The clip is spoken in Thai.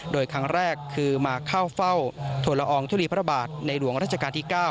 โดยครั้งแรกคือมาเข้าเฝ้าทุลอองทุลีพระบาทในหลวงราชการที่๙